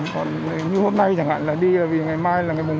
còn như hôm nay chẳng hạn là đi là vì ngày mai là ngày mùa một